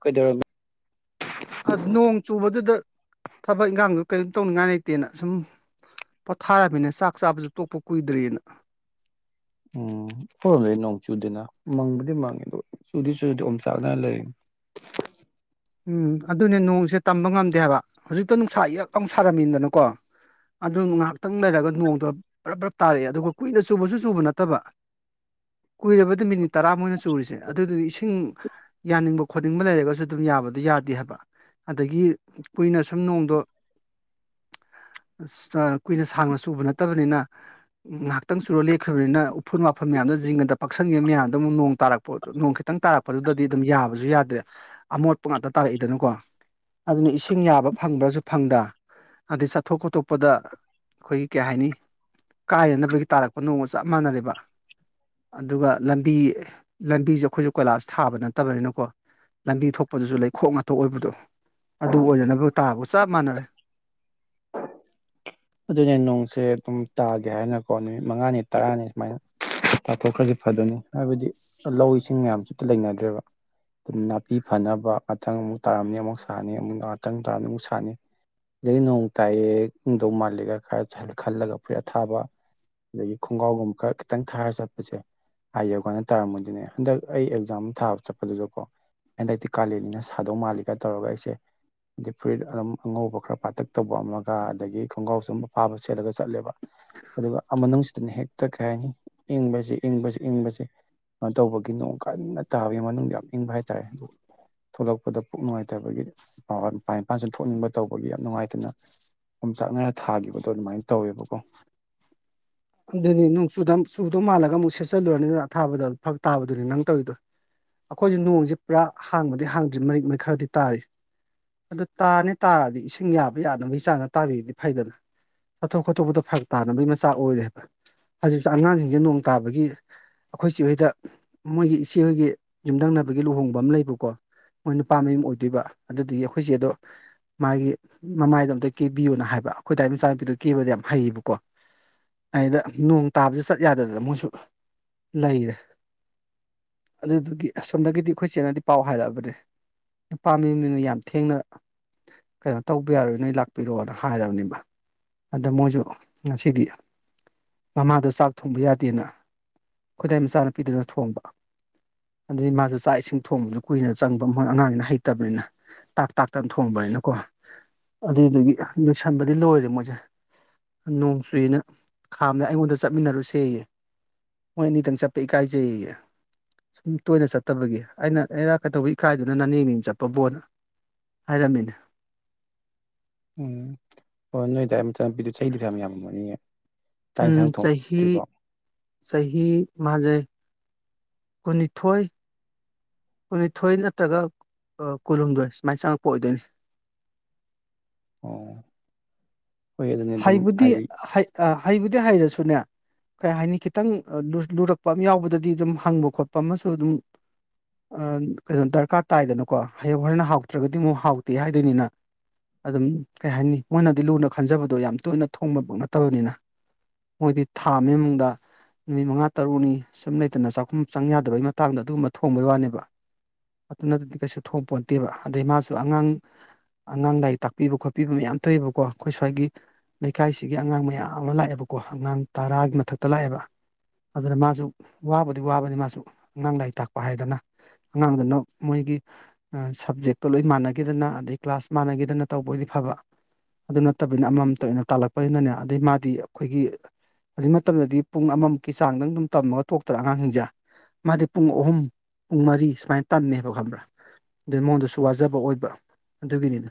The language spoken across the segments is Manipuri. ꯀꯣꯏꯗꯧꯔꯅꯣ ꯅꯣꯡ ꯆꯨꯕꯗꯨꯗ ꯊꯕꯛ ꯏꯪꯈꯥꯡꯗ ꯀꯔꯤꯝ ꯇꯧꯅꯤꯡꯉꯥꯏ ꯂꯩꯇꯦꯅ ꯁꯨꯝ ꯄꯣꯠꯊꯥꯔꯝꯃꯤꯅ ꯆꯥꯛ ꯆꯥꯕꯁꯨ ꯇꯣꯛꯄ ꯀꯨꯏꯗ꯭ꯔꯤꯅ ꯎꯝ ꯑꯈꯣꯏꯔꯣꯝꯗꯤ ꯅꯣꯡ ꯆꯨꯗꯦꯅ ꯃꯪꯕꯨꯗꯤ ꯃꯪꯉꯦ ꯆꯨꯗꯤ ꯆꯨꯗꯦ ꯑꯣꯝꯆꯥꯛꯅꯅ ꯂꯩꯔꯤ ꯎꯝ ꯑꯗꯨꯅꯦ ꯅꯣꯡꯁꯦ ꯇꯝꯕ ꯉꯝꯗꯦ ꯍꯥꯏꯕ ꯍꯧꯖꯤꯛꯇ ꯅꯨꯡꯁꯥ ꯌꯛ ꯑꯃꯨꯛ ꯁꯥꯔꯝꯃꯤꯗꯅꯀꯣ ꯑꯗꯨ ꯉꯥꯏꯍꯥꯛꯇꯪ ꯂꯩꯔꯒ ꯅꯣꯡꯗ ꯕ꯭ꯔꯞ ꯕ꯭ꯔꯞ ꯇꯥꯔꯛꯑꯦ ꯑꯗꯨꯒ ꯀꯨꯏꯅ ꯆꯨꯕꯁꯨ ꯆꯨꯕ ꯅꯠꯇꯕ ꯀꯨꯏꯔꯕꯗ ꯃꯤꯅꯤꯠ ꯇꯔꯥ ꯃꯣꯏꯅ ꯆꯨꯔꯤꯁꯦ ꯑꯗꯨꯗꯨꯗꯤ ꯏꯁꯤꯡ ꯌꯥꯅꯤꯡꯕ ꯈꯣꯠꯅꯤꯡꯕ ꯂꯩꯔꯒꯁꯨ ꯑꯗꯨꯝ ꯌꯥꯕꯅꯤ ꯌꯥꯗꯦ ꯍꯥꯏꯕ ꯑꯗꯩꯒꯤ ꯀꯨꯏꯅ ꯁꯨꯝ ꯅꯣꯡꯗꯣ ꯀꯨꯏꯅ ꯁꯥꯡꯅ ꯆꯨꯕ ꯅꯠꯇꯕꯅꯤꯅ ꯉꯥꯏꯍꯥꯛꯇꯪ ꯆꯨꯔꯒ ꯂꯦꯛꯈꯕꯅꯤꯅ ꯎꯐꯨꯟ ꯋꯥꯏꯐꯨꯟ ꯃꯌꯥꯝꯗꯣ ꯖꯤꯡꯒꯗ ꯄꯛꯁꯪꯈꯤꯕ ꯃꯌꯥꯝꯗꯣ ꯑꯃꯨꯛ ꯅꯣꯡ ꯇꯥꯔꯛꯄ ꯅꯣꯡ ꯈꯤꯇꯪ ꯇꯥꯔꯛꯄꯗꯨꯗꯗꯤ ꯑꯗꯨꯝ ꯌꯥꯕꯁꯨ ꯌꯥꯗ꯭ꯔꯦ ꯑꯃꯣꯠꯄ ꯉꯥꯛꯇ ꯇꯥꯔꯛꯏꯗꯅꯀꯣ ꯑꯗꯨꯅ ꯏꯁꯤꯡ ꯌꯥꯕ ꯐꯪꯕ꯭ꯔꯁꯨ ꯐꯪꯗ ꯑꯗꯩ ꯆꯠꯊꯣꯛ ꯈꯣꯇꯣꯛꯄꯗ ꯑꯩꯈꯣꯏꯒꯤ ꯀꯩ ꯍꯥꯏꯅꯤ ꯀꯥꯏꯅꯅꯕꯒꯤ ꯇꯥꯔꯛꯄ ꯅꯣꯡꯃ ꯆꯞ ꯃꯥꯟꯅꯔꯦꯕ ꯑꯗꯨꯒ ꯂꯝꯕꯤ ꯂꯝꯕꯤꯁꯦ ꯑꯩꯈꯣꯏꯁꯨ ꯀꯣꯏꯂꯥꯁ ꯊꯥꯕ ꯅꯠꯇꯕꯅꯤꯅꯀꯣ ꯂꯝꯕꯤ ꯊꯣꯛꯄꯗꯨꯁꯨ ꯂꯩꯈꯣꯛ ꯉꯥꯛꯊꯣꯛ ꯑꯣꯏꯕꯗꯣ ꯑꯗꯨ ꯑꯣꯏꯅꯅꯕ ꯇꯥꯕꯨ ꯆꯞ ꯃꯥꯟꯅꯔꯦ ꯑꯗꯨꯅꯦ ꯅꯣꯡꯁꯦ ꯑꯗꯨꯝ ꯇꯥꯒꯦ ꯍꯥꯏꯅꯀꯣ ꯅꯨꯃꯤꯠ ꯃꯉꯥꯅꯤ ꯇꯔꯥꯅꯤ ꯁꯨꯃꯥꯏꯅ ꯇꯥꯊꯣꯛꯈ꯭ꯔꯗꯤ ꯐꯗꯣꯏꯅꯤ ꯍꯥꯏꯕꯗꯤ ꯂꯧ ꯏꯁꯤꯡ ꯃꯌꯥꯝꯁꯨꯇ ꯂꯩꯅꯗ꯭ꯔꯦꯕ ꯑꯗꯨꯝ ꯅꯥꯄꯤ ꯐꯅꯕ ꯉꯥꯛꯊꯪ ꯑꯃꯨꯛ ꯇꯥꯔꯝꯅꯤ ꯑꯃꯨꯛ ꯁꯥꯥꯟꯅꯤ ꯑꯃꯨꯛ ꯉꯥꯛꯇꯪ ꯇꯥꯔꯝꯅꯤ ꯑꯃꯨꯛ ꯁꯥꯥꯟꯅꯤ ꯁꯤꯗꯗꯤ ꯅꯣꯡ ꯇꯥꯏꯑ ꯏꯪꯗꯧ ꯃꯥꯜꯂꯦꯒ ꯈꯟꯂꯒ ꯐꯨꯔꯤꯠ ꯊꯥꯕ ꯑꯗꯒꯤ ꯈꯣꯡꯒ꯭ꯔꯥꯎꯒꯨꯝꯕ ꯈꯔ ꯈꯤꯇꯪ ꯊꯥꯔꯒ ꯆꯠꯄꯁꯦ ꯍꯥꯏꯌꯦ ꯑꯩꯈꯣꯏꯅ ꯇꯥꯔꯝꯕꯗꯨꯅꯦ ꯍꯟꯗꯛ ꯑꯩ ꯑꯦꯛꯖꯥꯝ ꯊꯥꯕ ꯆꯠꯄꯗꯨꯁꯨ ꯀꯣ ꯍꯟꯗꯛꯇꯤ ꯀꯥꯂꯦꯜꯅꯤꯅ ꯁꯥꯗꯧ ꯃꯥꯜꯂꯤꯒ ꯇꯧꯔꯒ ꯑꯩꯁꯦ ꯐꯨꯔꯤꯠ ꯑꯗꯨꯝ ꯑꯉꯧꯕ ꯈꯔ ꯄꯥꯇꯛ ꯇꯧꯕ ꯑꯃꯒ ꯑꯗꯒꯤ ꯈꯣꯡꯒ꯭ꯔꯥꯎ ꯑꯗꯨꯝ ꯑꯄꯥꯕ ꯁꯦꯠꯂꯒ ꯆꯠꯂꯦꯕ ꯑꯗꯨꯒ ꯑ ꯃꯅꯨꯡ ꯑꯗꯨꯅ ꯍꯦꯛꯇ ꯀꯩꯍꯥꯏꯅꯤ ꯏꯪꯕꯕꯁꯤ ꯏꯪꯕꯁꯤ ꯏꯪꯕꯕꯁꯤ ꯇꯧꯕꯒꯤ ꯅꯣꯡ ꯀꯟꯅ ꯇꯥꯕꯒꯤ ꯃꯅꯨꯡꯗ ꯌꯥꯝ ꯏꯪꯕ ꯍꯥꯏꯇꯥꯔꯦ ꯑꯗꯨ ꯊꯣꯛꯂꯛꯄꯗ ꯄꯨꯛ ꯅꯨꯡꯉꯥꯏꯇꯕꯒꯤ ꯃꯄꯥꯟ ꯏꯄꯥꯥꯟꯁꯤ ꯊꯣꯛꯅꯤꯡꯕ ꯇꯧꯕꯒꯤ ꯌꯥꯝ ꯅꯨꯡꯉꯥꯏꯇꯅ ꯑꯣꯝꯆꯥꯛ ꯅꯥꯔ ꯊꯥꯈꯤꯕꯗꯣ ꯑꯗꯨꯃꯥꯏꯅ ꯇꯧꯋꯦꯕꯀꯣ ꯑꯗꯨꯅꯤ ꯅꯣꯡꯆꯨꯗ ꯆꯨꯗꯧ ꯃꯥꯜꯂꯒ ꯑꯃꯨꯛ ꯁꯦꯠꯆꯜꯂꯨꯔꯅꯤꯅ ꯑꯊꯥꯕꯗꯣ ꯐꯛ ꯇꯥꯕꯗꯨꯅꯤ ꯅꯪ ꯇꯧꯔꯤꯗꯣ ꯑꯩꯈꯣꯏꯁꯨ ꯅꯣꯡꯁꯦ ꯄꯨꯔꯥ ꯍꯥꯡꯕꯗꯤ ꯍꯥꯡꯗ꯭ꯔꯤ ꯃꯔꯤꯛ ꯃꯔꯤꯛ ꯈꯔꯗꯤ ꯇꯥꯔꯤ ꯑꯗꯨ ꯇꯥꯔꯅꯤ ꯇꯥꯔꯗꯤ ꯏꯁꯤꯡ ꯌꯥꯕ ꯌꯥꯅꯕꯒꯤ ꯆꯥꯡꯗ ꯇꯥꯕꯤꯔꯗꯤ ꯐꯩꯗꯅ ꯆꯠꯊꯣꯛ ꯈꯣꯠꯊꯣꯛꯄꯗ ꯐꯔꯛ ꯇꯥꯅꯕꯒꯤ ꯃꯆꯥꯛ ꯑꯣꯏꯔꯦꯕ ꯍꯧꯖꯤꯛꯁꯨ ꯑꯉꯥꯡꯁꯤꯡꯁꯦ ꯅꯣꯡ ꯇꯥꯕꯒꯤ ꯑꯩꯈꯣꯏ ꯆꯦꯍꯣꯏꯗ ꯃꯣꯏꯒꯤ ꯏꯆꯦꯍꯣꯏꯒꯤ ꯌꯨꯝꯊꯪꯅꯕꯒꯤ ꯂꯨꯍꯣꯡꯕ ꯑꯃ ꯂꯩꯕꯀꯣ ꯃꯣꯏ ꯅꯨꯄꯥ ꯃꯌꯨꯝ ꯑꯣꯏꯗꯣꯏꯕ ꯑꯗꯨꯗꯤ ꯑꯩꯈꯣꯏ ꯆꯦ ꯑꯗꯣ ꯃꯥꯒꯤ ꯃꯃꯥꯏꯗꯣ ꯑꯝꯇ ꯀꯦꯕꯤꯌꯣꯅ ꯍꯥꯏꯕ ꯑꯩꯈꯣꯏ ꯇꯥ ꯃꯆꯥꯅꯨꯄꯤꯗꯣ ꯀꯦꯕꯗ ꯌꯥꯝ ꯍꯩꯌꯦꯕꯀꯣ ꯑꯩꯗ ꯅꯣꯡ ꯇꯥꯕꯁꯨ ꯆꯠ ꯌꯥꯗꯗꯅ ꯃꯣꯏꯁꯨ ꯂꯩꯔꯦ ꯑꯗꯨꯗꯨꯒꯤ ꯑꯁꯣꯝꯗꯒꯤꯗꯤ ꯑꯩꯈꯣꯏ ꯆꯦꯅꯗꯤ ꯄꯥꯎ ꯍꯥꯏꯔꯛꯑꯕꯅꯦ ꯅꯨꯄꯥꯝꯃꯤ ꯃꯤꯅ ꯌꯥꯝ ꯊꯦꯡꯅ ꯀꯩꯅꯣ ꯇꯧꯕ ꯌꯥꯔꯣꯏ ꯅꯣꯏ ꯂꯥꯛꯄꯤꯔꯛꯑꯣꯅ ꯍꯥꯏꯔꯕꯅꯦꯕ ꯑꯗ ꯃꯣꯏꯁꯨ ꯉꯁꯤꯗꯤ ꯃꯃꯥꯗꯣ ꯆꯥꯛ ꯊꯣꯡꯕ ꯌꯥꯗꯦꯅ ꯈꯨꯗꯥꯏ ꯃꯆꯥꯅ ꯄꯤꯗꯨꯅ ꯊꯣꯡꯕ ꯑꯗꯨꯗꯒꯤ ꯃꯥꯁꯨ ꯆꯥꯛ ꯏꯁꯤꯡ ꯊꯣꯡꯕꯗꯨ ꯀꯨꯏꯅ ꯆꯪꯕ ꯃꯣꯏ ꯑꯉꯥꯡꯁꯤꯅ ꯍꯩꯇꯕꯅꯤꯅ ꯇꯥꯛ ꯇꯥꯛꯇꯅ ꯊꯣꯡꯕꯅꯤꯅꯀꯣ ꯑꯗꯨꯏꯗꯨꯒꯤ ꯂꯣꯏꯁꯟꯕꯗꯤ ꯂꯣꯏꯔꯦ ꯃꯣꯏꯁꯦ ꯅꯣꯡꯇꯨꯅ ꯈꯥꯝꯅꯦ ꯑꯩꯉꯣꯟꯗ ꯆꯠꯃꯤꯟꯅꯔꯨꯁꯦ ꯃꯣꯏ ꯑꯅꯤꯗꯪ ꯆꯠꯄ ꯏꯀꯥꯏꯖꯩꯌꯦꯌꯦ ꯁꯨꯝ ꯇꯣꯏꯅ ꯆꯠꯇꯕꯒꯤ ꯑꯩꯅ ꯑꯩꯔꯥꯛ ꯀꯩꯗꯧꯕ ꯏꯀꯥꯏꯗꯨꯅ ꯅꯅꯦꯦꯝ ꯃꯤꯅ ꯆꯠꯄꯕꯣꯠꯅ ꯍꯥꯏꯔꯝꯃꯤꯅ ꯎꯝ ꯍꯣꯏ ꯅꯣꯏ ꯑꯗꯨꯗꯥꯋꯥꯏ ꯃꯇꯝꯄꯤꯗ ꯆꯍꯤꯗꯤ ꯐꯌꯥꯝ ꯌꯥꯝꯃꯝꯃꯅꯤꯌꯦ ꯆꯥꯛ ꯏꯟꯁꯥꯡ ꯊꯣꯛꯇ꯭ꯔꯤꯕꯣ ꯁꯍꯤ ꯃꯥꯖꯦ ꯀꯨꯟꯅꯤꯊꯣꯏ ꯀꯨꯟꯅꯤꯊꯣꯏ ꯅꯠꯇ꯭ꯔꯒ ꯀꯨꯟꯍꯨꯝꯗꯣꯏ ꯁꯨꯃꯥꯏꯅ ꯆꯪꯉꯛꯄ ꯑꯣꯏꯗꯣꯏꯅꯤ ꯑꯣ ꯍꯣꯏ ꯑꯗꯨꯅꯤ ꯑꯗꯨꯝ ꯍꯩꯕꯨꯗꯤ ꯍꯥꯏꯔꯤ ꯍꯩ ꯑ ꯍꯩꯕꯨꯗꯤ ꯍꯩꯔꯁꯨꯅꯦ ꯀꯩ ꯍꯥꯏꯅꯤ ꯈꯤꯇꯪ ꯂꯨꯔꯛꯄ ꯑꯃ ꯌꯥꯎꯕꯗꯗꯤ ꯑꯗꯨꯝ ꯍꯪꯕ ꯈꯣꯠꯄ ꯑꯃꯁꯨ ꯑꯗꯨꯝ ꯀꯩꯅꯣ ꯗꯔꯀꯥꯔ ꯇꯥꯏꯗꯅꯀꯣ ꯍꯌꯡ ꯍꯣꯔꯅ ꯍꯥꯎꯇ꯭ꯔꯒꯗꯤ ꯑꯃꯨꯛ ꯍꯥꯎꯇꯦ ꯍꯥꯏꯗꯣꯏꯅꯤꯅ ꯑꯗꯨꯝ ꯀꯩ ꯍꯥꯏꯅꯤ ꯃꯣꯏꯅꯗꯤ ꯂꯨꯅ ꯈꯟꯖꯕꯗꯣ ꯌꯥꯝ ꯇꯣꯏꯅ ꯊꯣꯡꯕ ꯅꯠꯇꯕꯅꯤꯅ ꯃꯣꯏꯗꯤ ꯊꯥ ꯑꯃꯒꯤ ꯃꯅꯨꯡꯗ ꯅꯨꯃꯤꯠ ꯃꯉꯥ ꯇꯔꯨꯛꯅꯤ ꯁꯨꯝ ꯂꯩꯇꯅ ꯆꯥꯛꯈꯨꯝ ꯆꯪ ꯌꯥꯗꯕꯩ ꯃꯇꯥꯡꯗ ꯑꯗꯨꯒꯨꯝꯕ ꯊꯣꯡꯕꯩ ꯋꯥꯅꯦꯕ ꯑꯗꯨꯅꯠꯇꯗꯤ ꯀꯩꯁꯨ ꯊꯣꯛꯣꯡꯄꯣ ꯅꯠꯇꯦꯕ ꯑꯗꯩ ꯃꯥꯁꯨ ꯑꯉꯥꯡ ꯑꯉꯥꯡ ꯂꯥꯏꯔꯤꯛ ꯇꯥꯛꯄꯤꯕ ꯈꯣꯠꯄꯤꯕ ꯃꯌꯥꯝ ꯊꯣꯛꯋꯦꯕꯀꯣ ꯑꯩꯈꯣꯏ ꯁ꯭ꯋꯥꯏꯒꯤ ꯂꯩꯀꯥꯏꯁꯤꯒꯤ ꯑꯉꯥꯡ ꯃꯌꯥꯝ ꯑꯃ ꯂꯥꯛꯑꯦꯕꯀꯣ ꯑꯉꯥꯡ ꯇꯔꯥꯒꯤ ꯃꯊꯛꯇ ꯂꯥꯛꯑꯦꯕ ꯑꯗꯨꯅ ꯃꯥꯁꯨ ꯋꯥꯕꯨꯗꯤ ꯋꯥꯕꯅꯤ ꯃꯥꯁꯨ ꯑꯉꯥꯡ ꯂꯥꯏꯔꯤꯛ ꯇꯥꯛꯄ ꯍꯥꯏꯗꯅ ꯑꯉꯥꯡꯗꯅ ꯃꯣꯏꯒꯤ ꯁꯕꯖꯦꯛꯇꯣ ꯂꯣꯏ ꯃꯥꯟꯅꯈꯤꯗꯅ ꯑꯗꯩ ꯀ꯭ꯂꯥꯁ ꯃꯥꯟꯅꯈꯤꯗꯅ ꯇꯧꯕꯗꯤ ꯐꯕ ꯑꯗꯨ ꯅꯠꯇꯕ ꯅ ꯑꯃꯃꯝꯇ ꯑꯣꯏꯅ ꯇꯥꯜꯂꯛꯄꯁꯤꯅꯅꯦ ꯑꯗꯩ ꯃꯥꯗꯤ ꯑꯩꯈꯣꯏꯒꯤ ꯍꯧꯖꯤꯛ ꯃꯇꯝꯗꯗꯤ ꯄꯨꯡ ꯑꯃꯃꯨꯛꯀꯤ ꯆꯥꯡꯗꯪ ꯑꯗꯨꯝ ꯇꯝꯃꯒ ꯊꯣꯛꯣꯛꯇꯔꯥ ꯑꯉꯥꯡꯁꯤꯡꯁꯦ ꯃꯥꯗꯤ ꯄꯨꯡ ꯑꯍꯨꯝ ꯄꯨꯡ ꯃꯔꯤ ꯁꯨꯃꯥꯏꯅ ꯇꯝꯃꯦꯕ ꯈꯪꯕ꯭ꯔꯥ ꯑꯗꯨꯗꯩ ꯃꯉꯣꯟꯗꯁꯨ ꯋꯥꯖꯕ ꯑꯣꯏꯕ ꯑꯗꯨꯒꯤꯅꯤꯗ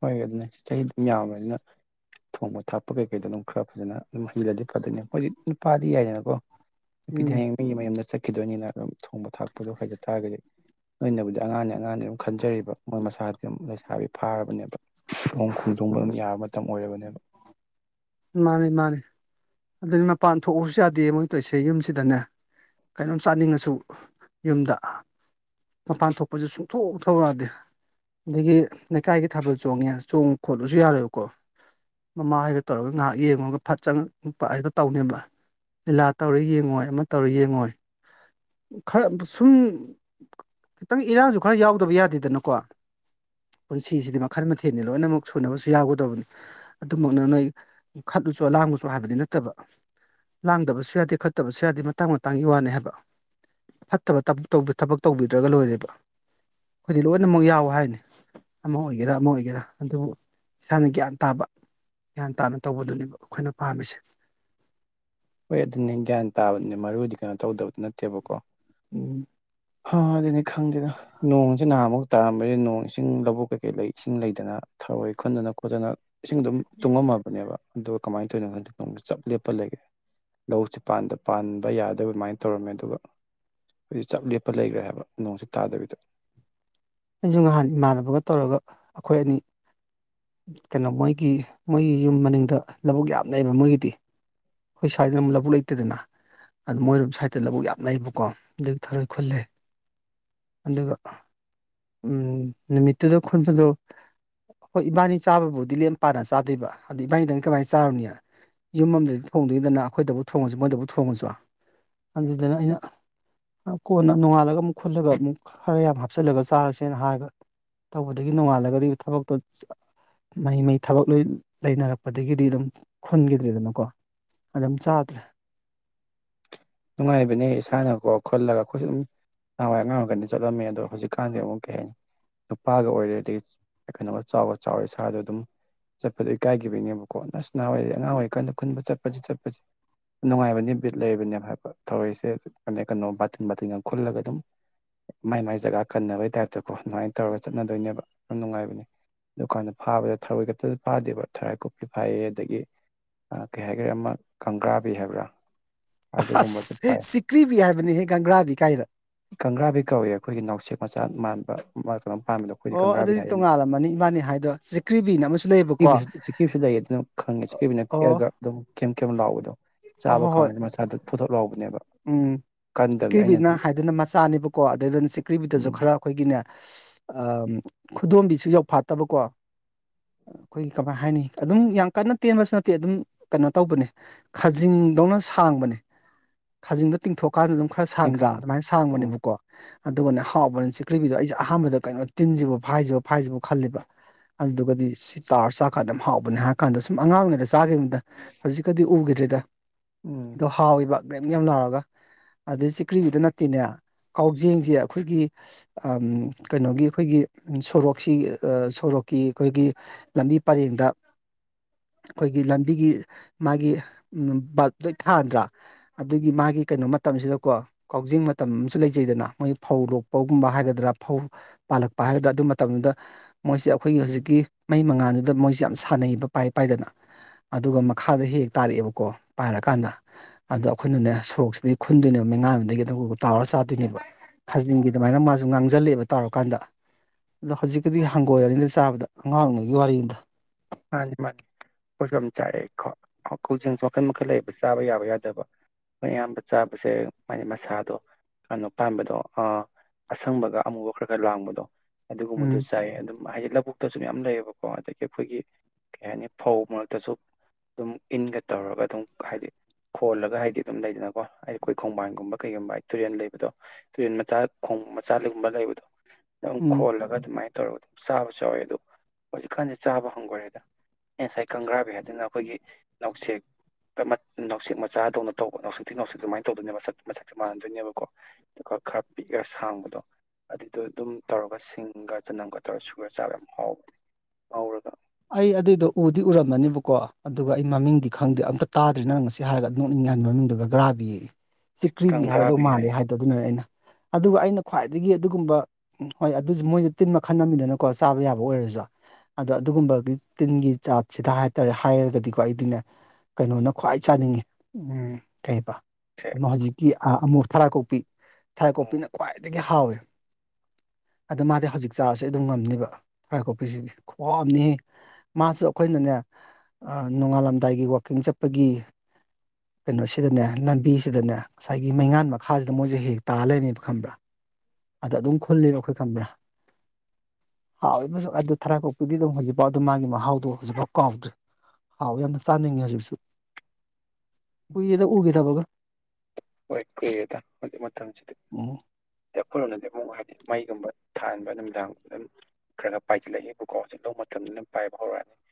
ꯍꯣꯏ ꯑꯗꯨꯅ ꯆꯍꯤ ꯑꯗꯨꯝ ꯌꯥꯝꯕꯅꯤꯅ ꯊꯣꯡꯕ ꯊꯥꯛꯄ ꯀꯩꯀꯩꯗꯣ ꯑꯗꯨꯝ ꯈꯔ ꯐꯖꯅ ꯑꯗꯨꯝ ꯍꯩꯂꯗꯤ ꯐꯗꯣꯏꯅꯤ ꯑꯩꯣꯏꯖꯤꯛ ꯅꯨꯄꯥꯗꯤ ꯌꯥꯏꯗꯅꯀꯣ ꯅꯨꯄꯤꯗꯤ ꯎꯝ ꯍꯌꯦꯡ ꯃꯤꯒꯤ ꯃꯌꯨꯝꯗ ꯆꯠꯈꯤꯗꯣꯏꯅꯤꯅ ꯑꯗꯨꯝ ꯊꯣꯡꯕ ꯊꯥꯛꯄꯗꯣ ꯍꯩꯖ ꯇꯥꯔꯒꯗꯤ ꯂꯕꯨꯗꯤ ꯑꯉꯥꯡꯅꯦ ꯑꯉꯥꯡꯅꯦ ꯑꯗꯨꯝ ꯈꯟꯖꯔꯤꯕ ꯃꯣꯏ ꯃꯁꯥꯗꯤ ꯑꯗꯨꯝ ꯂꯩꯁꯥꯕꯤ ꯐꯥꯔꯕꯅꯦꯕ ꯣꯡ ꯈꯨꯗꯣꯡꯕ ꯑꯗꯨꯝ ꯌꯥꯕ ꯃꯇꯝ ꯑꯣꯏꯔꯕꯅꯦꯕ ꯃꯥꯅꯤ ꯃꯥꯅꯤ ꯑꯗꯨꯗꯤ ꯃꯄꯥꯟ ꯊꯣꯛꯎꯁꯨ ꯌꯥꯗꯦ ꯃꯣꯏ ꯇꯧꯁꯦ ꯌꯨꯝꯁꯤꯗꯅꯦ ꯀꯩꯅꯣꯝ ꯆꯥꯅꯤꯡꯉꯁꯨ ꯌꯨꯝꯗ ꯃꯄꯥꯟ ꯊꯣꯛꯄꯁꯦ ꯁꯨꯡꯊꯣꯛꯊꯧ ꯌꯥꯗꯦ ꯑꯗꯒꯤ ꯂꯩꯀꯥꯏꯒꯤ ꯊꯥꯕꯜ ꯆꯣꯡꯉꯦ ꯆꯣꯡꯉꯨ ꯈꯣꯠꯂꯨꯁꯨ ꯌꯥꯔꯣꯏꯕꯀꯣ ꯃꯃꯥ ꯍꯥꯏꯒ ꯇꯧꯔꯒ ꯉꯥꯏꯍꯥꯛ ꯌꯦꯡꯉꯒ ꯐꯠ ꯆꯪꯉ ꯅꯨꯨꯄꯥ ꯍꯥꯏꯗ ꯇꯧꯅꯦꯕ ꯂꯤꯂꯥ ꯇꯧꯔ ꯌꯦꯡꯉꯣꯏ ꯑꯃ ꯇꯧꯔ ꯌꯦꯡꯉꯣꯏ ꯈꯔ ꯁꯨꯝ ꯈꯤꯇꯪ ꯏꯔꯥꯡꯁꯨ ꯈꯔ ꯌꯥꯎꯗꯕ ꯌꯥꯗꯦꯗꯅꯀꯣ ꯄꯨꯟꯁꯤꯁꯤꯗꯤ ꯃꯈꯜ ꯃꯊꯦꯜꯅꯤ ꯂꯣꯏꯅꯃꯛ ꯁꯨꯅꯕꯁꯨ ꯌꯥꯎꯒꯗꯕꯅꯤ ꯑꯗꯨꯃꯛꯅ ꯅꯣꯏ ꯈꯠꯂꯨꯁꯨ ꯑꯂꯥꯡꯕꯁꯨ ꯍꯥꯏꯕꯗꯤ ꯅꯠꯇꯕ ꯂꯥꯡꯗꯕꯁꯨ ꯌꯥꯗꯦ ꯈꯠꯇꯕꯁꯨ ꯌꯥꯗꯦ ꯃꯇꯥꯡ ꯃꯇꯥꯡꯒꯤ ꯋꯥꯅꯤ ꯍꯥꯏꯕ ꯐꯠꯇꯕ ꯊꯕꯛ ꯇꯧꯕꯤꯗ꯭ꯔꯒ ꯂꯣꯏꯔꯦꯕ ꯑꯩꯈꯣꯏꯗꯤ ꯂꯣꯏꯅꯃꯛ ꯌꯥꯎꯋ ꯍꯥꯏꯅꯤ꯫ ꯑꯃ ꯑꯣꯏꯒꯦꯔꯥ ꯑꯃ ꯑꯣꯏꯒꯦꯔꯥ ꯑꯗꯨꯕꯨ ꯏꯁꯥꯅ ꯒ꯭ꯌꯥꯟ ꯇꯥꯕ ꯒ꯭ꯌꯥꯟ ꯇꯥꯅ ꯇꯧꯕꯗꯨꯅꯦꯕ ꯑꯩꯈꯣꯏꯅ ꯄꯥꯝꯃꯤꯁꯦ꯫ ꯍꯣꯏ ꯑꯗꯨ ꯅ ꯒ꯭ꯌꯥꯟ ꯇꯥꯕꯗꯨꯅꯦ ꯃꯔꯨꯗꯤ ꯀꯩꯅꯣ ꯇꯧꯗꯕꯗꯨ ꯅꯠꯇꯦꯕꯀꯣ ꯎꯝ ꯍ ꯑꯗꯨꯅꯤ ꯈꯪꯗꯦꯗ ꯅꯣꯡꯁꯤ ꯅꯍꯥꯟꯃꯨꯛ ꯇꯥꯔꯝꯕꯗꯤ ꯅꯣꯡ ꯏꯁꯤꯡ ꯂꯧꯕꯨꯛ ꯀꯩꯀꯩ ꯂꯩ ꯏꯁꯤꯡ ꯂꯩꯇꯅ ꯊꯔꯣꯏ ꯈꯟꯗꯅ ꯈꯣꯠꯇꯅ ꯏꯁꯤꯡ ꯑꯗꯨꯝ ꯇꯨꯡꯉꯝꯃꯕꯅꯦꯕ ꯑꯗꯨꯒ ꯀꯃꯥꯏꯅ ꯇꯧꯅꯣꯗ ꯆꯞ ꯂꯦꯞꯄ ꯂꯩꯒꯦ꯫ ꯂꯧꯁꯤ ꯄꯥꯟꯕ ꯌꯥꯗꯕ ꯑꯗꯨꯃꯥꯏꯅ ꯇꯧꯔꯝꯃꯦ ꯑꯗꯨꯒ ꯍꯧꯖꯤꯛ ꯆꯞ ꯂꯦꯞꯄ ꯂꯩꯈ꯭ꯔꯦ ꯍꯥꯏꯕ ꯅꯣꯡꯁꯤ ꯇꯥꯗꯕꯤꯗ ꯑꯩꯁꯨ ꯅꯍꯥꯟ ꯏꯃꯥꯟꯅꯕꯒ ꯇꯧꯔꯒ ꯑꯩꯈꯣꯏ ꯑꯅꯤ ꯀꯩꯅꯣ ꯃꯣꯏꯒꯤ ꯃꯣꯏꯒꯤ ꯌꯨꯝ ꯃꯅꯤꯡꯗ ꯂꯧꯕꯨꯛ ꯌꯥꯝ ꯂꯩꯌꯦꯕ ꯃꯣꯏꯒꯤꯗꯤ꯫ ꯑꯩꯈꯣꯏ ꯁ꯭ꯋꯥꯏꯗꯅ ꯂꯧꯕꯨꯛ ꯂꯩꯇꯗꯅ ꯑꯗꯨ ꯃꯣꯏ ꯁꯥꯏꯠꯇ ꯂꯧꯕꯨꯛ ꯌꯥꯝ ꯂꯩꯕꯀꯣ ꯑꯗꯨ ꯊꯔꯣꯏ ꯈꯨꯜꯂꯦ ꯑꯗꯨꯒ ꯎꯝ ꯅꯨꯃꯤꯠꯇꯨꯗ ꯈꯨꯟꯕꯗꯣ ꯍꯣꯏ ꯏꯕꯥꯅꯤ ꯆꯥꯕꯕꯨꯗꯤ ꯂꯦꯝ ꯄꯥꯅ ꯆꯥꯗꯣꯏꯕ ꯑꯗ ꯏꯕꯥꯅꯤꯗꯪ ꯀꯃꯥꯏꯅ ꯆꯥꯔꯨꯅꯤ꯫ ꯌꯨꯝ ꯑꯃꯗꯗꯤ ꯊꯣꯡꯗ꯭ꯉꯩꯗꯅ ꯑꯩꯈꯣꯏꯗꯕꯨ ꯊꯣꯡꯉꯁꯨ ꯃꯣꯏꯗꯕꯨ ꯊꯣꯡꯉꯁꯨ ꯑꯗꯨꯗꯅ ꯑꯩꯅ ꯀꯣꯟꯅ ꯅꯣꯡꯉꯥꯜꯂꯒ ꯑꯃꯨꯛ ꯈꯨꯠꯂꯒ ꯑꯃꯨꯛ ꯍꯔ ꯌꯥꯝ ꯍꯥꯞꯆꯜꯂꯒ ꯆꯥꯔꯁꯦꯅ ꯍꯥꯏꯔꯒ ꯇꯧꯕꯗꯒꯤ ꯅꯣꯡꯉꯥꯜꯂꯒꯗꯤ ꯊꯕꯛꯇꯣ ꯃꯍꯩ ꯃꯩ ꯊꯕꯛ ꯂꯣꯏ ꯂꯩꯅꯔꯛꯄꯗꯒꯤꯗꯤ ꯑꯗꯨꯝ ꯈꯣꯟꯈꯤꯗ꯭ꯔꯦꯗꯅꯀꯣ ꯑꯗꯨꯝ ꯆꯥꯗ꯭ꯔꯦ꯫ ꯅꯨꯡꯉꯥꯏꯕꯅꯦ ꯏꯁꯥꯅꯀꯣ ꯈꯜꯂꯒ ꯑꯩꯈꯣꯏꯁꯨ ꯑꯗꯨꯝ ꯅꯍꯥꯟꯋꯥꯏ ꯑꯉꯥꯡꯔꯀꯗꯤ ꯆꯠꯂꯝꯃꯦ ꯑꯗꯣ ꯍꯧꯖꯤꯛꯀꯥꯟꯗꯤ ꯑꯃꯨꯛ ꯀꯩꯝ ꯅꯨꯄꯥꯒ ꯑꯣꯏꯔꯦꯗꯒꯤ ꯀꯩꯅꯣꯒ ꯆꯥꯎꯒ ꯆꯥꯎꯔꯦ ꯏꯁꯗꯣ ꯑꯗꯨꯝ ꯆꯠꯄꯗꯣ ꯏ ꯀꯥꯏꯈꯤꯕꯒꯤꯅꯦꯕꯀꯣ ꯅꯁ ꯅꯍꯋꯥꯔꯩ ꯑꯉꯥꯡ ꯑꯣꯏꯔꯤꯀꯥꯟꯗ ꯈꯨꯟꯕ ꯆꯠꯄꯁꯤ ꯆꯠꯄꯁꯦ꯫ ꯅꯨꯡꯉꯥꯏꯕꯅꯦ ꯕꯤꯠ ꯂꯩꯕꯅꯦꯕ ꯍꯥꯏꯕ ꯊꯧꯔꯔꯤꯁꯦ ꯀ ꯀꯩꯅꯣ ꯕꯥꯇꯤꯟ ꯕꯥꯇꯤꯟꯒ ꯈꯨꯜꯂꯒ ꯑꯗꯨꯝ ꯃꯥꯏ ꯃꯥꯏ ꯖꯒꯥ ꯀꯟꯅꯕꯩ ꯇꯥꯏꯞꯇ ꯀꯣ ꯑꯗꯨꯃꯥꯏꯅ ꯇꯧꯔꯒ ꯆꯠꯅꯗꯣꯏꯅꯦꯕ ꯌꯥꯝ ꯅꯨꯡꯉꯥꯏꯕꯅꯦ꯫ ꯗꯨꯀꯥꯟꯗ ꯐꯥꯕꯗ ꯊꯔꯣꯏ ꯈꯛꯇꯁꯨ ꯐꯥꯗꯦꯕ ꯊꯔꯣꯏ ꯀꯨꯞꯄꯤ ꯐꯥꯏꯌꯦ ꯑꯗꯒꯤ꯫ ꯀꯩ ꯍꯥꯏꯈꯔꯦ ꯑꯃ ꯀꯪꯒ꯭ꯔꯥꯕꯤ ꯍꯥꯏꯕ꯭ꯔꯥ ꯑꯗꯨꯒꯨꯝꯕꯁꯨ ꯑꯁ ꯐꯥꯏ ꯁꯤꯀ꯭ꯔꯤꯕꯤ ꯍꯥꯏꯕꯅꯤꯍꯦ ꯒꯪꯒ꯭ꯔꯥꯗꯤ ꯀꯥꯏꯗ ꯀꯪꯂꯪꯒ꯭ꯔꯥꯕꯤ ꯀꯧꯏ ꯑꯩꯈꯣꯏꯒꯤ ꯅꯥꯎꯁꯦꯛ ꯃꯆꯥ ꯃꯥꯟꯕ ꯃꯥ ꯀꯩꯅꯣ ꯄꯥꯝꯃꯤꯗꯣ ꯑꯩꯈꯣꯏꯗꯤ ꯑꯣ ꯀꯪꯂꯪꯒ꯭ꯔꯥꯕꯤ ꯑꯗꯨꯗꯤ ꯍꯥꯏꯌꯦ ꯑꯗꯨ ꯇꯣꯉꯥꯜꯂꯝꯃꯅꯤ ꯏꯕꯥꯅꯤ ꯍꯥꯏꯗꯣ ꯆꯤꯀ꯭ꯔꯤꯕꯤꯅ ꯑꯃꯁꯨ ꯂꯩꯌꯦꯕꯀꯣ ꯆꯤꯛꯁꯨ ꯂꯩ ꯑꯗꯨꯅ ꯈꯪꯉꯤꯁꯤ ꯀꯕꯤꯅ ꯑꯣ ꯄꯤꯛꯑꯒ ꯑꯗꯨꯝ ꯀꯦꯝ ꯀꯦꯝ ꯂꯥꯎꯕꯗꯣ ꯑꯣ ꯆꯥꯕ ꯍꯣ ꯍꯣꯏ ꯀꯥꯟꯗ ꯃꯆꯥꯗꯨꯣ ꯊꯣꯊꯣꯛ ꯂꯥꯎꯕꯅꯦꯕ ꯎꯝ ꯀꯟꯗꯕꯅꯦ ꯑꯩꯅ ꯁꯤꯈ꯭ꯔꯤꯕꯤꯅ ꯍꯧꯖꯤꯛ ꯍꯥꯏꯗꯅ ꯃꯆꯥꯅꯦꯕꯀꯣ ꯑꯗꯨꯏꯗꯨꯅ ꯁꯤꯛꯈ꯭ꯕꯤꯗꯁꯨ ꯎꯝ ꯈꯔ ꯑꯩꯈꯣꯏꯒꯤꯅꯦ ꯈꯨꯗꯣꯝꯕꯤꯁꯨ ꯌꯥꯎꯐꯥꯠꯇꯕꯀꯣ ꯑꯩꯈꯣꯏꯒꯤ ꯀꯃꯥꯏ ꯍꯥꯏꯅꯤ ꯑꯗꯨꯝ ꯌꯥꯝ ꯀꯟꯅ ꯇꯦꯟꯕꯁꯨ ꯅꯠꯇꯦ ꯑꯗꯨꯝ ꯀꯩꯅꯣ ꯇꯧꯕꯅꯦ꯫ ꯈꯖꯤꯡꯗꯧꯅ ꯁꯥꯡꯕꯅꯦ꯫ ꯈꯥꯖꯤꯡꯗꯣ ꯇꯤꯡꯊꯣꯛꯀꯥꯟꯗ ꯑꯗꯨꯝ ꯈꯔ ꯑꯩ ꯁꯥꯡꯗ꯭ꯔꯥ ꯈꯪꯉꯦ ꯑꯗꯨꯃꯥꯏꯅ ꯎꯝ ꯁꯥꯡꯕꯅꯦꯕꯀꯣ ꯑꯗꯨꯒꯅꯦ ꯍꯥꯎꯕꯅ ꯆꯤꯛꯈ꯭ꯔꯤꯕꯤꯗꯣ ꯑꯩꯁꯦ ꯑꯍꯥꯟꯕꯗ ꯀꯩꯅꯣ ꯇꯤꯟꯁꯤꯕꯨ ꯐꯥꯏꯁꯤꯕ-ꯐꯥꯏꯁꯤꯕꯨ ꯈꯜꯂꯤꯕ ꯑꯗꯨꯗꯨꯒꯗꯤ ꯁꯤ ꯆꯥꯔ ꯆꯥꯛꯀꯥꯟ ꯑꯗꯨꯝ ꯍꯥꯎꯕꯅꯦ ꯍꯥꯏꯔ ꯀꯥꯟꯗ ꯁꯨꯝ ꯑꯉꯥꯡ ꯑꯣꯏꯔꯤꯉꯩꯗ ꯆꯥꯈꯤꯕꯗ ꯍꯧꯖꯤꯛꯀꯗꯤ ꯎꯈꯤꯗ꯭ꯔꯤꯗ ꯎꯝ ꯊꯥꯎꯋꯕ ꯀꯝ ꯌꯥꯝ ꯂꯥꯎꯔꯒ ꯑꯗꯩ ꯆꯤꯀ꯭ꯔꯤꯕꯤꯗ ꯅꯠꯇꯦꯅꯦ ꯀꯥꯎꯖꯦꯡꯁꯦ ꯑꯩꯈꯣꯏꯒꯤ ꯀꯩꯅꯣꯒꯤ ꯑꯩꯈꯣꯏꯒꯤ ꯁꯣꯔꯣꯛꯁꯤ ꯁꯣꯔꯣꯛꯀꯤ ꯑꯩꯈꯣꯏꯒꯤ ꯂꯝꯕꯤ ꯄꯔꯦꯡꯗ ꯑꯩꯈꯣꯏꯒꯤ ꯂꯝꯕꯤꯒꯤ ꯃꯥꯒꯤ ꯕꯜ ꯂꯣꯏ ꯊꯥꯅꯗ꯭ꯔꯥ ꯑꯗꯨꯒꯤ ꯃꯥꯒꯤ ꯀꯩꯅꯣ ꯃꯇꯝꯁꯤꯗꯀꯣ ꯀꯥꯎꯖꯤꯡ ꯃꯇꯝ ꯑꯃꯁꯨ ꯂꯩꯖꯩꯗꯅ ꯃꯣꯏ ꯐꯧ ꯂꯣꯛꯄꯒꯨꯝꯕ ꯍꯥꯏꯒꯗ꯭ꯔꯥ ꯐꯧ ꯄꯥꯜꯂꯛꯄ ꯍꯥꯏꯕꯗ ꯑꯗꯨ ꯃꯇꯝꯗꯨꯗ ꯃꯣꯏꯁꯦ ꯑꯩꯈꯣꯏꯒꯤ ꯍꯧꯖꯤꯛꯀꯤ ꯃꯩ ꯃꯉꯥꯜꯗꯨꯗ ꯃꯣꯏꯁꯦ ꯌꯥꯝ ꯁꯥꯟꯅꯩꯕ ꯄꯥꯏ ꯄꯥꯏꯗꯅ ꯑꯗꯨꯒ ꯃꯈꯥꯗ ꯍꯦꯛ ꯍꯦꯛ ꯇꯥꯔꯛꯑꯦꯕꯀꯣ ꯄꯥꯏꯔꯀꯥꯟꯗ ꯑꯗꯣ ꯑꯩꯈꯣꯏꯅꯅꯦ ꯁꯣꯔꯣꯛꯁꯤꯗꯒꯤ ꯈꯨꯟꯗꯣꯏꯅꯦꯕ ꯃꯩꯉꯥꯟꯗꯨꯗꯒꯤ ꯑꯗꯨꯒ ꯇꯥꯎꯔ ꯆꯥꯗꯣꯏꯅꯦꯕ ꯈꯥꯖꯤꯡꯒꯤ ꯑꯗꯨꯃꯥꯏꯅ ꯃꯥꯁꯨ ꯉꯥꯡꯁꯤꯜꯂꯛꯑꯦꯕ ꯇꯧꯔꯀꯥꯟꯗ ꯑꯗꯣ ꯍꯧꯖꯤꯛꯀꯗꯤ ꯍꯪꯒꯣꯏꯔꯅꯤꯗ ꯆꯥꯕꯗ ꯑꯉꯥꯡ ꯑꯣꯏꯔꯤꯉꯩꯒꯤ ꯋꯥꯔꯤꯅꯤꯗ ꯃꯥꯅꯤ ꯃꯥꯅꯤ ꯑꯩꯈꯣꯏꯁꯨ ꯌꯥꯝ ꯆꯥꯔꯛꯑꯦ ꯀꯧꯖꯦꯡꯁꯨ ꯃꯈꯜ ꯃꯈꯜ ꯂꯩ‌ꯌ‌ꯦꯕ ꯆꯥꯕ ꯌꯥꯕ ꯌꯥꯗꯕ ꯑꯌꯥꯝꯕ ꯆꯥꯕꯁꯦ ꯃꯥꯏꯗꯤ ꯃꯁꯥꯗꯣ ꯀꯩꯅꯣ ꯄꯥꯟꯕꯗꯣ ꯑꯥ ꯑꯁꯪꯕꯒ ꯑꯃꯨꯕꯒ ꯈꯔ ꯈꯔ ꯂꯥꯡꯕꯗꯣ ꯎꯝ ꯑꯗꯨꯒꯨꯝꯕꯗꯨ ꯆꯥꯏ ꯑꯗꯨꯝ ꯍꯥꯏꯗꯤ ꯂꯧꯕꯨꯛꯇꯁꯨ ꯃꯌꯥꯝ ꯂꯩꯌꯦꯕꯀꯣ ꯑꯗꯒꯤ ꯑꯩꯈꯣꯏꯒꯤ ꯀꯩ ꯍꯥꯏꯅꯤ ꯐꯧ ꯃꯔꯛꯇꯁꯨ ꯑꯗꯨꯝ ꯏꯟꯒ ꯇꯧꯔꯒ ꯑꯗꯨꯝ ꯍꯥꯏꯗꯤ ꯈꯣꯜꯂꯒ ꯍꯥꯏꯗꯤ ꯑꯗꯨꯝ ꯂꯩꯗꯅꯀꯣ ꯍꯥꯏꯗꯤ ꯑꯩꯈꯣꯏ ꯈꯣꯡꯕꯥꯟꯒꯨꯝꯕ ꯀꯩꯒꯨꯝꯕ ꯇꯨꯔꯦꯜ ꯂꯩꯕꯗꯣ ꯇꯨꯔꯦꯟ ꯃꯆꯥ ꯈꯣꯡ ꯃꯆꯥ ꯒꯨꯝꯕ ꯂꯩꯕꯗꯣ ꯑꯗꯨꯝ ꯎꯝ ꯈꯣꯜꯂꯒ ꯑꯗꯨꯃꯥꯏꯅ ꯇꯧꯔꯒ ꯑꯗꯨꯝ ꯆꯥꯕꯁꯨ ꯌꯥꯎꯋꯦ ꯑꯗꯣ ꯍꯧꯖꯤꯛꯀꯥꯟꯁ‌ꯦ ꯆꯥꯕ ꯍꯪꯒ‌ꯣꯏꯔ‌ꯦꯗ ꯑꯩ ꯉꯁꯥꯏ ꯀꯪꯒ꯭ꯔꯥꯕꯤ ꯍꯥꯏꯗꯨꯅ ꯑꯩꯈꯣꯏꯒꯤ ꯅꯥꯎꯁꯦꯛ ꯅꯥꯟꯁꯛ ꯃꯆꯥꯗꯧꯅ ꯇꯧꯕ ꯅꯥꯟꯁ‌ꯦꯛꯇꯤ ꯅꯥꯟꯁ‌ꯦꯛ ꯑꯗꯨꯃꯥꯏꯅ ꯇꯧꯗꯣꯏꯕ ꯃꯁꯛ ꯃꯁꯛꯇꯤ ꯆꯞ ꯃꯥꯟꯅ ꯗꯣꯏꯅꯦꯕꯀꯣ ꯑꯗꯨꯒ ꯈꯔ ꯄꯤꯛꯑ ꯁꯥꯡꯕꯗꯣ ꯑꯗꯨꯏꯗꯣ ꯑꯗꯨꯝ ꯇꯧꯔꯒ ꯁꯤꯡꯒ ꯆꯅꯝꯒ ꯇꯧꯔꯒ ꯁꯨꯔ ꯆꯥꯕ ꯌꯥꯝ ꯍꯥꯎꯕꯅꯤ ꯉꯧꯔꯒ ꯑꯩ ꯑꯗꯨꯏꯗꯣ ꯎꯗꯤ ꯎꯔꯝꯃꯅꯦꯕꯀꯣ ꯑꯗꯨꯒ ꯑꯩ ꯃꯃꯤꯡꯗꯤ ꯈꯪꯗꯦ ꯑꯝꯇ ꯇꯥꯗ꯭ꯔꯤ ꯅꯪ ꯉꯁꯤ ꯁꯤ ꯍꯥꯏꯔꯒ ꯅꯣꯛꯅꯤꯡꯉ‌ꯦ ꯃꯃꯤꯡꯗꯨꯒ ꯒ꯭ꯔꯥꯕꯤ ꯆꯤꯛꯀ꯭ꯔꯤꯕꯤ ꯍꯥꯏꯕꯗꯨ ꯀꯪꯒ꯭ꯔꯥꯕꯤ ꯃꯥꯜꯂꯦ ꯍꯥꯏꯗ‌ꯣ ꯑꯗꯨꯅꯅꯦ ꯑꯩꯅ ꯑꯗꯨꯒ ꯑꯩꯅ ꯈ꯭ꯋꯥꯏꯗꯒꯤ ꯑꯗꯨꯒꯨꯝꯕ ꯎꯝ ꯍꯣꯏ ꯑꯗꯨꯁꯨ ꯃꯣꯏꯁꯨ ꯇꯤꯟ ꯃꯈꯜ ꯑꯃꯗꯤꯅꯀꯣ ꯆꯥꯕ ꯌꯥꯕ ꯑꯣꯏꯔꯁꯨ ꯑꯗꯣ ꯑꯗꯨꯒꯨꯝꯕ ꯑꯗꯨ ꯇꯤꯟꯒꯤ ꯆꯥꯠꯁꯤꯗ ꯍꯥꯏꯇꯥꯔꯦ ꯍꯥꯏꯔꯒꯗꯤꯀꯣ ꯑꯩꯗꯤꯅꯦ ꯀꯩꯅꯣꯅ ꯈ꯭ꯋꯥꯏ ꯆꯥꯅꯤꯡꯉꯤ ꯎꯝ ꯀꯩ ꯍꯥꯏꯕ ꯍꯥꯏꯁꯦ ꯑꯃ ꯍꯧꯖꯤꯛꯀꯤ ꯑ ꯃꯨꯔ ꯊꯔꯥꯀꯣꯛꯄꯤ ꯎꯝ ꯊꯔꯥꯀꯣꯛꯄꯤꯅ ꯈ꯭ꯋꯥꯏꯗꯒꯤ ꯍꯥꯎꯋꯤ ꯑꯗ‌ꯣ ꯃꯥꯗꯤ ꯍꯧꯖꯤꯛ ꯆꯥꯔꯁꯨ ꯑꯗꯨꯝ ꯉꯝꯅꯤꯕ ꯊꯔꯥꯏ ꯀꯣꯛꯄꯤꯁꯤꯗꯤ ꯈꯨꯍꯥꯎ ꯑꯃꯅꯤꯍ‌ꯦ ꯃꯥꯁꯨ ꯑꯩꯈꯣꯏꯅꯅꯦ ꯑꯥ ꯅꯣꯡꯉꯥꯜꯂꯝꯗꯥꯏꯒꯤ ꯋꯥꯛꯀꯤꯡ ꯆꯠꯄꯒꯤ [inaudible] ꯀꯩꯅꯣꯁꯤꯗꯅꯦ ꯂꯝꯕꯤꯁꯤꯗꯅꯦ ꯉꯁꯥꯏꯒꯤ ꯃꯩꯉꯥꯟ ꯃꯈꯥꯁꯤꯗ ꯃꯣꯏꯁꯦ ꯍꯦꯛ ꯍꯦꯛ ꯇꯥ ꯂꯩꯃꯦꯕ ꯈꯪꯕ꯭ꯔꯥ ꯑꯗ ꯑꯗꯨꯝ ꯈꯨꯜꯂ‌ꯦꯕ ꯑꯩꯈꯣꯏ ꯈꯪꯕꯔ ꯍꯥꯎꯏ ꯑꯗꯨꯝ ꯊꯔꯥꯏ ꯀꯣꯛꯄꯤꯗꯤ ꯑꯗꯨꯝ ꯍꯧ ꯑꯗꯨ ꯃꯥꯒꯤ ꯃꯍꯥꯎꯗꯣ ꯍꯧꯖꯤꯛꯐꯥꯎ ꯀꯥꯎꯗ꯭ꯔꯤ ꯍꯥꯎꯏ ꯌꯥꯝꯅ ꯆꯥꯅꯤꯡꯉꯦ ꯍꯧꯖꯤꯛꯁꯨ ꯀꯨꯏꯔ‌ꯦꯗ ꯎꯈꯤꯗꯕꯒ ꯍ‌ꯣꯏ ꯀꯨꯏꯔ‌ꯦꯗ ꯍꯧꯖꯤꯛ ꯃꯇꯝꯁꯤꯗꯤ ꯎꯝ ꯑꯩꯈꯣꯏ ꯂꯣꯝꯗꯗꯤ ꯑꯃꯨꯛ ꯍꯥꯏꯗꯤ ꯃꯩꯒꯨꯝꯕ ꯊꯤꯟꯕ ꯅꯨꯃꯤꯗꯥꯡꯒꯨꯝꯕ ꯑꯗꯨꯝ ꯈꯔ ꯄꯥꯏꯁꯤꯜꯂꯛꯑꯦꯕꯀꯣ ꯍꯧꯖꯤꯛ ꯂꯧ ꯃꯇꯝꯅꯤꯅ ꯄꯥꯏꯕ ꯍꯧꯔꯛꯑꯅꯤ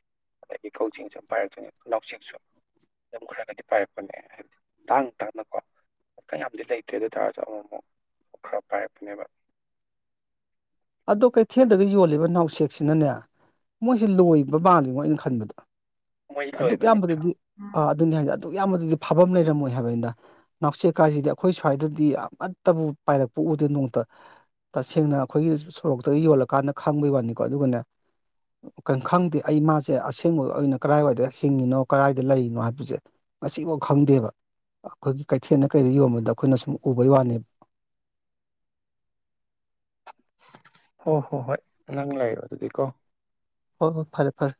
ꯑꯗꯒꯤ ꯀꯧꯖ‌ꯦꯡꯁꯨ ꯄꯥꯏꯔꯛꯇꯣꯏꯅꯤ ꯏꯅꯥꯎꯁ‌ꯦꯛꯁꯨ ꯑꯗꯨꯝ ꯈꯔ ꯈꯔꯒꯗꯤ ꯄꯥꯏꯔꯛꯄꯅꯦ ꯍꯥꯏꯕꯗꯤ ꯇꯥꯡ ꯇꯥꯡꯅꯀꯣ ꯀꯌꯥꯝꯗꯤ ꯂꯩꯇ꯭ꯔꯦ ꯑꯗꯨ ꯑꯣꯏꯇꯥꯥꯔꯁꯨ ꯑꯃꯨꯛ ꯑꯃꯨꯛ ꯈꯔ ꯄꯥꯏꯔꯛꯄꯅꯦꯕ ꯑꯗꯣ ꯀꯩꯊꯦꯜꯗꯒ ꯌꯣꯜꯂꯤꯕ ꯅꯥꯎꯁꯦꯛꯁꯤꯅꯅꯦ ꯃꯣꯏꯁꯤ ꯂꯣꯏꯕ ꯃꯜꯂꯤꯉꯣ ꯑꯩꯅ ꯈꯟꯕꯗ ꯃꯣꯏꯗꯤ ꯑꯗꯨꯛ ꯂꯣꯏꯕꯅꯦ ꯌꯥꯝꯕꯗꯨꯗꯤ ꯑꯥ ꯑꯗꯨꯅꯤ ꯍꯥꯏꯁꯦ ꯑꯗꯨꯛ ꯌꯥꯝꯕꯗꯨꯗꯤ ꯐꯥꯐꯝ ꯂꯩꯔꯝꯃꯣꯏ ꯍꯥꯏꯕꯅꯤꯗ ꯅꯥꯎꯁꯦꯛ ꯀꯥꯏꯁꯤꯗꯤ ꯑꯩꯈꯣꯏ ꯁ꯭ꯋꯥꯏꯗꯗꯤ ꯑꯃꯠꯇꯕꯨ ꯄꯥꯏꯔꯛꯄ ꯎꯗꯦ ꯅꯣꯡꯃꯇ ꯇꯁꯦꯡꯅ ꯑꯩꯈꯣꯏꯒꯤ ꯁꯣꯔꯣꯛꯇꯒ ꯌꯣꯜꯂꯀꯥꯟꯗ ꯈꯥꯡꯕꯩ ꯋꯥꯅꯤꯀꯣ ꯑꯗꯨꯒꯅꯦ ꯀꯩ ꯈꯪꯗꯦ ꯑꯩ ꯃꯥꯁꯦ ꯑꯁꯦꯡꯕ ꯑꯩꯅ ꯀꯗꯥꯥꯏꯋꯥꯏꯗ ꯍꯤꯡꯉꯤꯅꯣ ꯀꯗꯥꯥꯏꯗ ꯂꯩꯔꯤꯅꯣ ꯍꯥꯏꯕꯁꯦ ꯉꯁꯤꯐꯥꯎ ꯈꯪꯗꯦꯕ ꯑꯩꯈꯣꯏꯒꯤ ꯀꯩꯊꯦꯜꯗ ꯀꯩꯗ ꯌꯣꯟꯕꯗ ꯑꯩꯈꯣꯏꯅ ꯁꯨꯝ ꯎꯕꯩ ꯋꯥꯅꯦꯕ ꯍꯣ ꯍꯣ ꯍꯣꯏ ꯅꯪ ꯂꯩꯔ‌ꯣ ꯑꯗꯨꯗꯤ ꯀꯣ ꯍꯣꯏ ꯍꯣꯏ ꯐꯔꯦ ꯐꯔꯦ